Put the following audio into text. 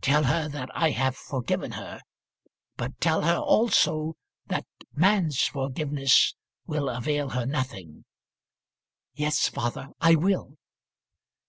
Tell her that I have forgiven her, but tell her also that man's forgiveness will avail her nothing." "Yes, father, I will."